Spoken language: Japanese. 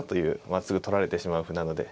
まあすぐ取られてしまう歩なので。